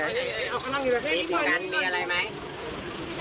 ที่นั่งนิดหน่อยมีอะไรไหม